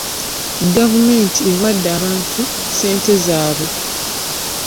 Gavumenti ewadde abantu ssente zaabwe.